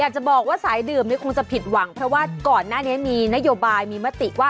อยากจะบอกว่าสายดื่มเนี่ยคงจะผิดหวังเพราะว่าก่อนหน้านี้มีนโยบายมีมติว่า